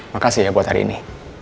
makasih ya buat hari ini